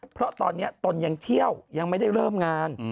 เพราะตอนนี้ตนยังเที่ยวยังไม่ได้เริ่มงาน